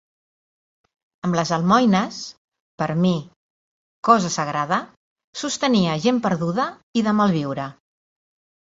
Amb les almoines, per a mi cosa sagrada, sostenia gent perduda i de malviure.